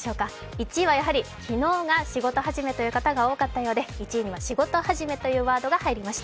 １位はやはり昨日が仕事始めという方が多かったようで１位には仕事始めというワードが入りました。